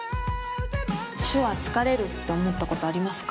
手話疲れるって思ったことありますか？